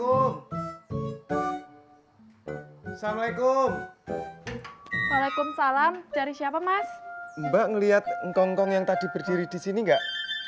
assalamualaikum waalaikumsalam cari siapa mas mbak ngeliat ngkong kong yang tadi berdiri di sini enggak